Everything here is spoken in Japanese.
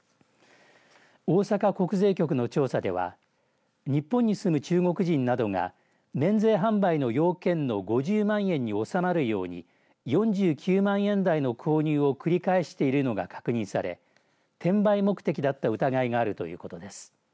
大阪国税局の調査では日本に住む中国人などが免税販売の要件の５０万円におさまるように４９万円台の購入を繰り返しているのが確認され転売目的だった疑いがあるということです。